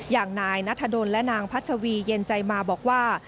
อย่างนายนัทดลและนางพัชวีเย็นใจมาบอกว่า